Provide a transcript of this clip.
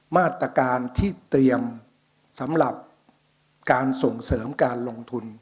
มาตรการที่เตรียมสำหรับการส่งเสริมการลงทุน